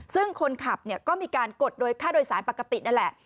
ซึ่งคนขับก็มีการกดโดยค่าโดยสารปกตินั่นแหละ